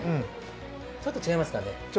ちょっと違いますかね。